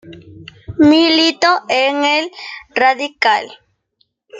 Militó en el Radical.